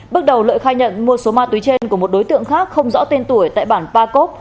bước đầu lợi khai nhận mua số ma túy trên của một đối tượng khác không rõ tên tuổi tại bản pa cốc